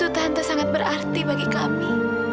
tahanta sangat berarti bagi kami